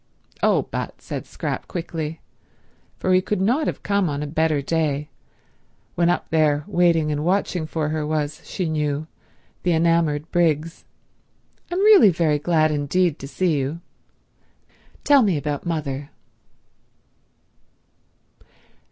"Oh, but," said Scrap quickly, for he could not have come on a better day, when up there waiting and watching for her was, she knew, the enamoured Briggs, "I'm really very glad indeed to see you. Tell me about mother."